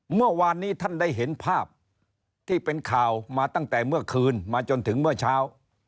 เมื่อวานนี้ท่านได้เห็นภาพที่เป็นข่าวมาตั้งแต่เมื่อคืนมาจนถึงเมื่อเช้า